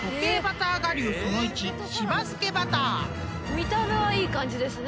見た目はいい感じですね